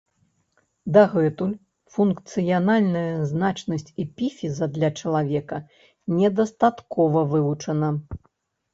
Дагэтуль функцыянальная значнасць эпіфіза для чалавека недастаткова вывучана.